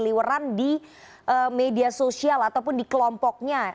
liweran di media sosial ataupun di kelompoknya